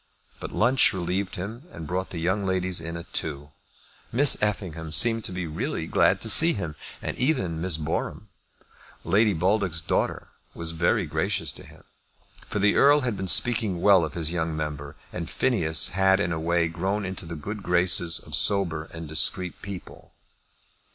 But lunch relieved him, and brought the young ladies in at two. Miss Effingham seemed to be really glad to see him, and even Miss Boreham, Lady Baldock's daughter, was very gracious to him. For the Earl had been speaking well of his young member, and Phineas had in a way grown into the good graces of sober and discreet people.